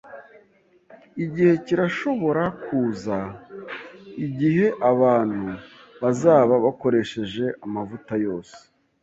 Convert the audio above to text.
Igihe kirashobora kuza igihe abantu bazaba bakoresheje amavuta yose.